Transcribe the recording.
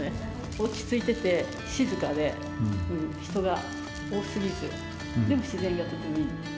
落ち着いてて、静かで、人が多すぎず、でも自然がとてもいいので。